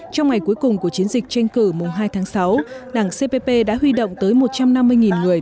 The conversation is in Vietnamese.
trong ngày cuối cùng của chiến dịch tranh cử mùng hai tháng sáu đảng cpp đã huy động tới một trăm năm mươi người